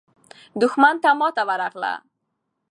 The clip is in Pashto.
دښمن ته ماته ورغله.